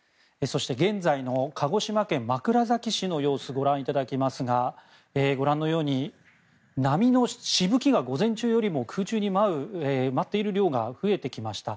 そして現在の鹿児島県枕崎市の様子をご覧いただきますがご覧のように、波の飛沫が午前中よりも空中に舞っている量が増えてきました。